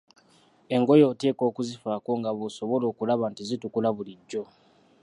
Engoye oteekwa okuzifaako nga bw'osobola okulaba nti zitukula bulijjo.